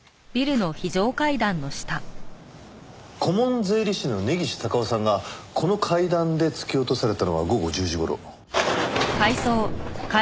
顧問税理士の根岸隆雄さんがこの階段で突き落とされたのは午後１０時頃。